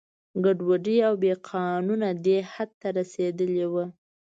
ګډوډي او بې قانونه دې حد ته رسېدلي وو.